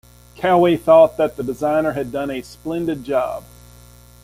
Cowie thought that the designer had done a "splendid job".